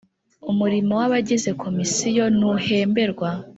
Umurimo w abagize Komisiyo ntuhemberwa